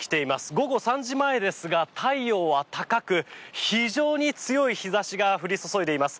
午後３時前ですが太陽は高く非常に強い日差しが降り注いでいます。